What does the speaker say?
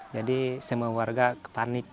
jadi semua warga panik